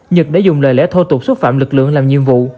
nhật đã dùng lời lẽ thô tục xúc phạm lực lượng làm nhiệm vụ